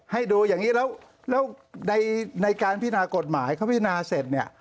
ให้ดูอย่างนี้แล้วในการพินากฎหมายเขาพิจารณาเสร็จเนี่ย